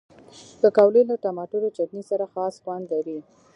پکورې له ټماټر چټني سره خاص خوند لري